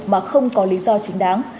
mà không có lý do chính đáng